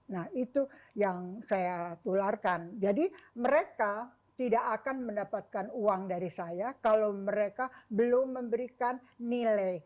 nah itu yang saya tularkan jadi mereka tidak akan mendapatkan uang dari saya kalau mereka belum memberikan nilai